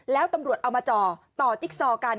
แล้วตำรวจเอามาจ่อต่อจิ๊กซอกัน